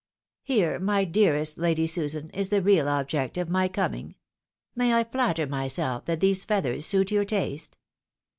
'' Here, my dearest Lady Susan, is the real object of my coming. May I flatter myself that these feathers suit your taste